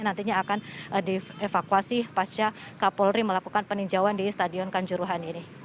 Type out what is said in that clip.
nantinya akan dievakuasi pasca kapolri melakukan peninjauan di stadion kanjuruhan ini